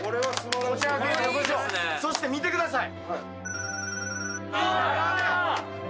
そして見てください。